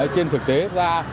trên thực tế ra